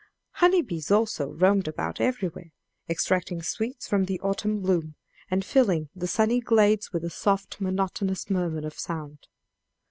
Honey bees also roamed about everywhere, extracting sweets from the autumn bloom, and filling the sunny glades with a soft, monotonous murmur of sound.